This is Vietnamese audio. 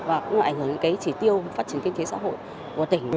và cũng là ảnh hưởng đến cái chỉ tiêu phát triển kinh tế xã hội của tỉnh